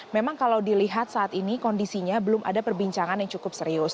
memang kalau dilihat saat ini kondisinya belum ada perbincangan yang cukup serius